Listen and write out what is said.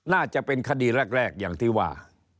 น่าจะเป็นคดีแรกอย่างที่ว่า